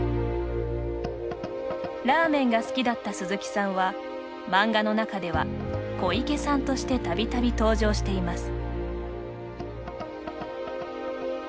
ラーメンが好きだった鈴木さんは漫画の中では「小池さん」としてたびたび登場しています。